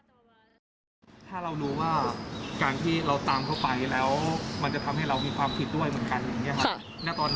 ถ้าเรารู้ว่าการที่เราตามเข้าไปแล้วมันจะทำให้เรามีความผิดด้วยเหมือนกันอย่างนี้ครับ